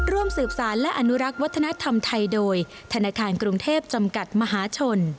ร่วมสืบสารและอนุรักษ์วัฒนธรรมไทยโดยธนาคารกรุงเทพจำกัดมหาชน